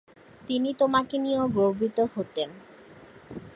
তিনি তোমাকে নিয়েও গর্বিত হতেন।